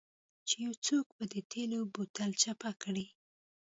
چې یو څوک به د تیلو بوتل چپه کړي